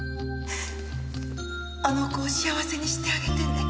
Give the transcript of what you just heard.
あの子を幸せにしてあげてね。